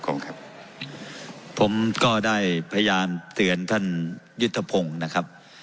ของครับผมก็ได้พยายามเตือนท่านยุทธพงศ์นะครับ